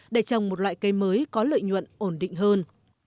để trồng một loại cây mới có lợi nhuận ổn định hơn